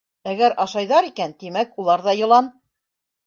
—Әгәр ашайҙар икән, тимәк, улар ҙа йылан!